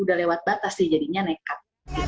udah lewat batas sih jadinya nekat